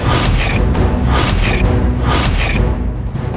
dan saya sudah terlalu kelak sebagai tentang masalah intinya